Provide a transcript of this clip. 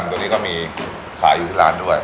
ตัวนี้ก็มีขายอยู่ที่ร้านด้วย